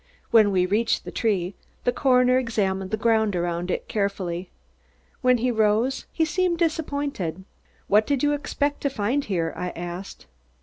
When we reached the tree, the coroner examined the ground around it carefully. When he arose he seemed disappointed. "What did you expect to find here?" I asked.